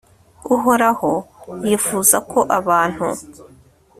Uhoraho yifuza ko abantu